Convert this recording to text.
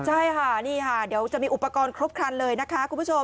ใช่ค่ะนี่ค่ะเดี๋ยวจะมีอุปกรณ์ครบครันเลยนะคะคุณผู้ชม